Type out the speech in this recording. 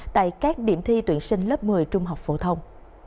tại các điểm thi tuyển sinh lớp một mươi trung học phổ thông